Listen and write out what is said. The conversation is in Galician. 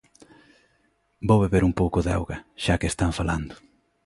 Vou beber un pouco de auga, xa que están falando.